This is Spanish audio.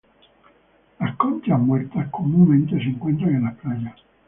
Las conchas muertas comúnmente se encuentran en las playas.